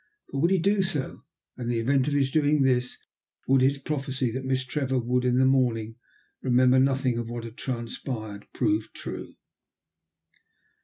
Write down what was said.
But would he do so, and in the event of his doing this, would his prophecy that Miss Trevor would, in the morning, remember nothing of what had transpired, prove true?